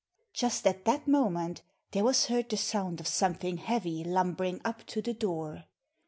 Just at that moment there was heard the sound of something heavy lumbering up to the door.